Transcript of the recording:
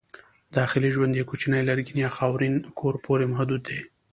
داخلي ژوند یې کوچني لرګین یا خاورین کور پورې محدود و.